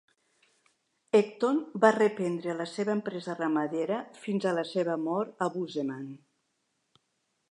Ecton va reprendre la seva empresa ramadera fins a la seva mort a Bozeman.